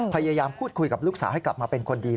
พยายามพูดคุยกับลูกสาวให้กลับมาเป็นคนดี